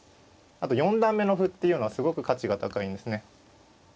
あと四段目の歩っていうのはすごく価値が高いんですね。